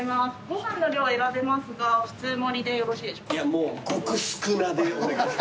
ご飯の量選べますが普通盛りでよろしいでしょうか？